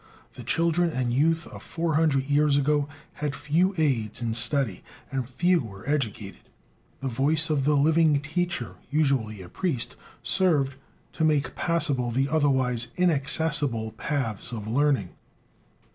The children and youth of four hundred years ago had few aids in study, and few were educated. The voice of the living teacher, usually a priest, served to make passable the otherwise inaccessible paths of learning.